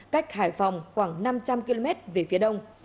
cách hải phòng khoảng năm trăm linh km về phía đông